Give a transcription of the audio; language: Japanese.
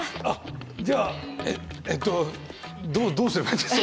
じゃあえっとどうすればいいんですか？